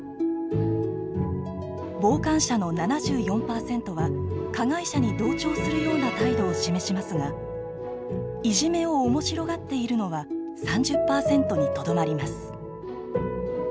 傍観者の７４％は加害者に同調するような態度を示しますがいじめを面白がっているのは３０％にとどまります。